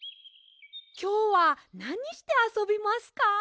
きょうはなにしてあそびますか？